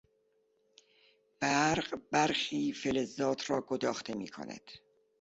برق برخی فلزات را گداخته میکند.